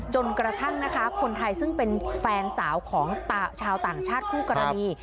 จนกระทั่งนะคะคนไทยซึ่งเป็นแฟนสาวของชาวต่างชาติคู่กรณี